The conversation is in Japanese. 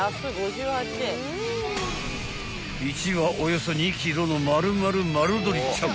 ［１羽およそ２ｋｇの丸々丸鶏ちゃん］